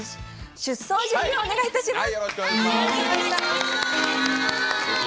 出走準備をお願いします。